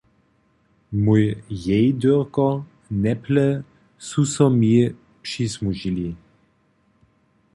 Mój jejdyrko, neple su so mi přismudźili!